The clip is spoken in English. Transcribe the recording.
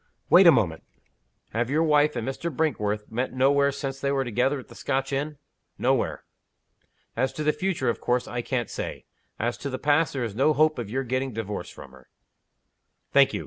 "Wait a moment. Have your wife and Mr. Brinkworth met nowhere since they were together at the Scotch inn?" "Nowhere." "As to the future, of course I can't say. As to the past, there is no hope of your getting divorced from her." "Thank you.